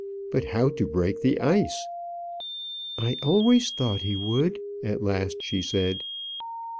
But how to break the ice! "I always thought he would," at last she said.